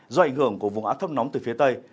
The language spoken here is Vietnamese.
do ảnh hưởng của vùng áp thấp nóng từ phía tây